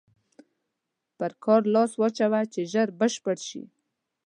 پر کار لاس واچوه چې ژر بشپړ شي.